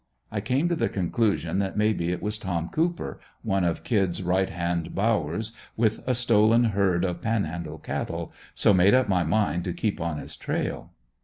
I came to the conclusion that maybe it was Tom Cooper, one of "Kid's" right hand bowers with a stolen herd of Panhandle cattle, so made up my mind to keep on his trail.